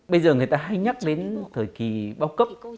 bây giờ người ta hay nhắc đến thời kì báo cấp